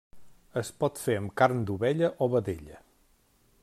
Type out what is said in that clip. Es pot fer amb carn d'ovella o vedella.